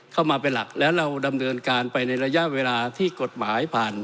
เข้ามาเป็นหลักแล้วเราดำเนินการไปในระยะเวลาที่กฎหมายผ่าน